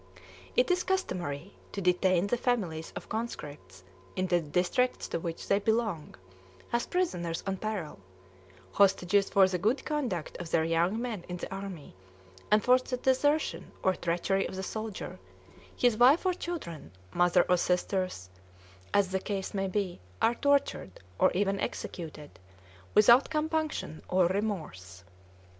It is customary to detain the families of conscripts in the districts to which they belong, as prisoners on parole, hostages for the good conduct of their young men in the army; and for the desertion or treachery of the soldier, his wife or children, mother or sisters, as the case may be, are tortured, or even executed, without compunction or remorse.